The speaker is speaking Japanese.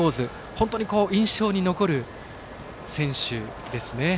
本当に印象に残る選手ですね。